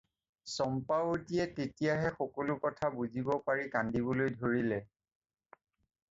চম্পাৱতীয়ে তেতিয়াহে সকলো কথা বুজিব পাৰি কান্দিবলৈ ধৰিলে।